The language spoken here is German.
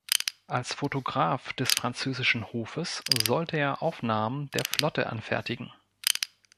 Als Fotograf des französischen Hofes sollte er Aufnahmen der Flotte fertigen.